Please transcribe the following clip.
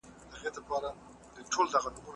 دا هغه کور دی چي ما پخپله جوړ کړی دی.